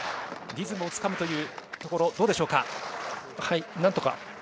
リズムをつかむというところどうでしょうか。